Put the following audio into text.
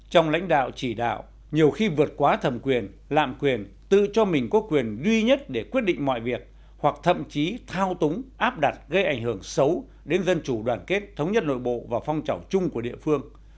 trong lãnh đạo chỉ đạo nhiều khi vượt quá thẩm quyền lạm quyền tự cho mình có quyền duy nhất để quyết định mọi việc hoặc thậm chí thao túng áp đặt gây ảnh hưởng xấu đến dân chủ đoàn kết thống nhất nội bộ và phong trào chung của địa phương